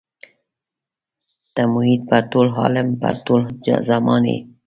ته محیط پر ټول عالم پر ټول زمان یې.